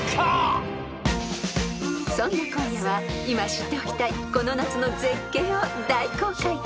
［そんな今夜は今知っておきたいこの夏の絶景を大公開］